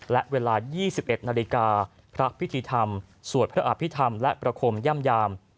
และเวลา๒๑นาฬิกาพระพิธีธรรมสวดพระอภิษฐรรมและประคมย่ำยาม